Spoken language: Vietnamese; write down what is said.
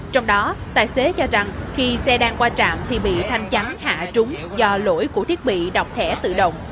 trong đó tài xế cho rằng khi xe đang qua trạm thì bị thanh chắn hạ trúng do lỗi của thiết bị đọc thẻ tự động